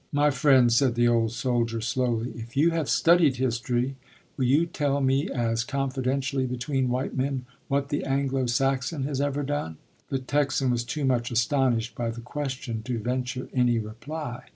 "My friend," said the old soldier slowly, "if you have studied history, will you tell me, as confidentially between white men, what the Anglo Saxon has ever done?" The Texan was too much astonished by the question to venture any reply.